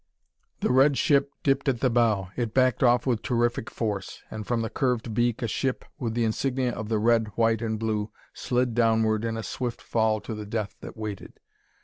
The red ship dipped at the bow; it backed off with terrific force; and from the curved beak a ship with the insignia of the red, white and blue slid downward in a swift fall to the death that waited.